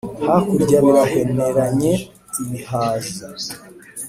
Hakurya biraheneranye-Ibihaza.